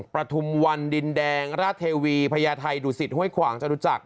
ประทุมวันดินแดงราชเทวีพญาไทยดุสิตห้วยขวางจรุจักร